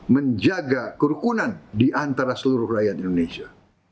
menjaga kerukunan di antara seluruh rakyat indonesia